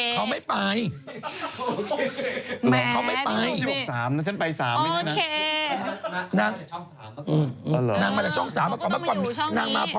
เยอะแล้วยังไงล่ะน้องขวัญว่าไงค่ะ